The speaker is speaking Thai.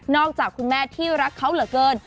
จากคุณแม่ที่รักเขาเหลือเกิน